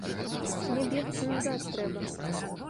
Мне бегчы назад трэба.